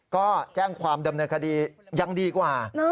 ก็แจ้งความดำเนินคดียังดีกว่า